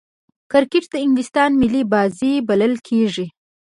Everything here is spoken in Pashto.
کرکټ د انګلستان ملي بازي بلل کیږي.